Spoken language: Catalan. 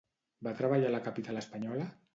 Va treballar a la capital espanyola?